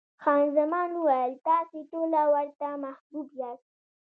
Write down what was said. خان زمان وویل، تاسې ټوله ورته محبوب یاست.